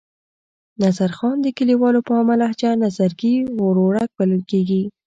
نظرخان د کلیوالو په عامه لهجه نظرګي ورورک بلل کېږي.